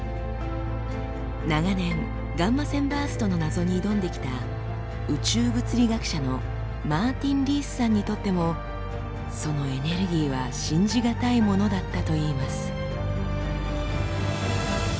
長年ガンマ線バーストの謎に挑んできた宇宙物理学者のマーティン・リースさんにとってもそのエネルギーは信じ難いものだったといいます。